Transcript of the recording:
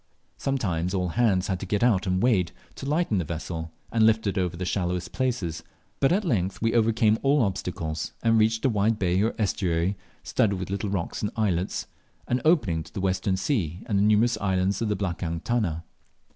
Sometimes all hands had to get out and wade, to lighten the vessel and lift it over the shallowest places; but at length we overcame all obstacles and reached a wide bay or estuary studded with little rocks and islets, and opening to the western sea and the numerous islands of the "blakang tuna."